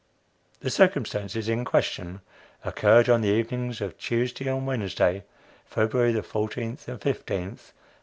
The circumstances in question occurred on the evenings of Tuesday and Wednesday, February 14 and 15, 1865.